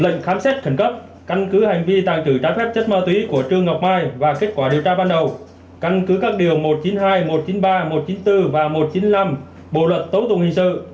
lệnh khám xét khẩn cấp căn cứ hành vi tàng trữ trái phép chất ma túy của trương ngọc mai và kết quả điều tra ban đầu căn cứ các điều một trăm chín mươi hai một trăm chín mươi ba một trăm chín mươi bốn và một trăm chín mươi năm bộ luật tố tụng hình sự